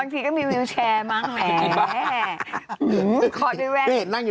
ทีก็มีวิวแชร์มั้งแหม